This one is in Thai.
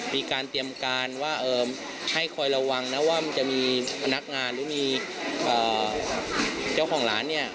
มีการเตรียมการว่าให้คอยระวังนะว่ามันจะมีพนักงานหรือมีเจ้าของร้านเนี่ย